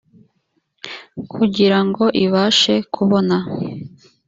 kugira ngo ibashe kubona